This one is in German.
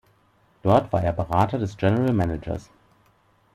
Dort war er Berater des General Managers.